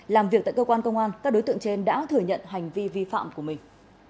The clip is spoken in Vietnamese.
làm việc tại cơ quan công an các đối tượng trên đã thừa nhận hành vi vi phạm của mình